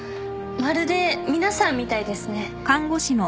まるで皆さんみたいですね。